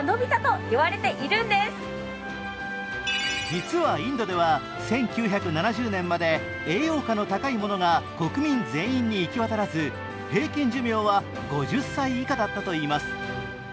実はインドでは１９７０年まで栄養価の高いものが国民全員に行き渡らず、平均寿命は５０歳以下だったといいます。